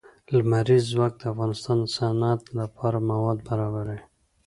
لمریز ځواک د افغانستان د صنعت لپاره مواد برابروي.